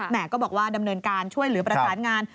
ก็บอกว่าดำเนินการช่วยเหลือประสานงาน